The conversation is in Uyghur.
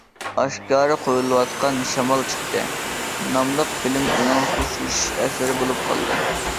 ئاشكارا قويۇلۇۋاتقان‹ شامال چىقتى› ناملىق فىلىم ئۇنىڭ خوشلىشىش ئەسىرى بولۇپ قالدى.